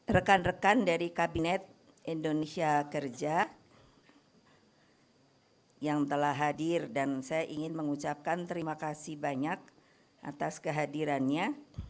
rekan rekan dari kabinet indonesia kerja yang telah hadir dan saya ingin mengucapkan terima kasih banyak atas kehadirannya